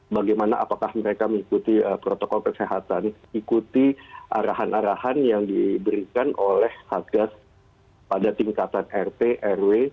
bagaimana apakah mereka mengikuti protokol kesehatan ikuti arahan arahan yang diberikan oleh satgas pada tingkatan rt rw